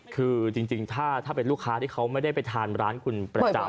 คือจริงถ้าเป็นลูกค้าที่เขาไม่ได้ไปทานร้านคุณประจำ